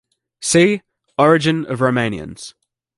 See: Origin of Romanians.